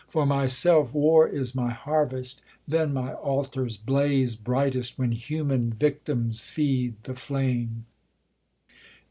For myself, War is my harvest : then my altars blaze Brightest, when human victims feed the flame.